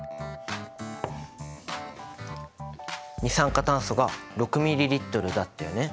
二酸化炭素が６ｍＬだったよね。